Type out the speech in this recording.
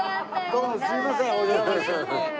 どうもすいませんお邪魔して。